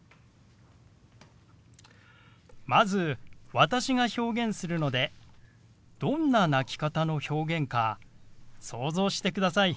まず私が表現するのでどんな泣き方の表現か想像してください。